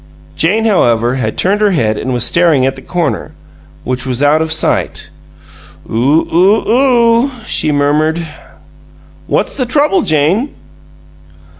Jane, however, had turned her head and was staring at the corner, which was out of his sight. "Oo oo ooh!" she murmured. "What's the trouble, Jane?"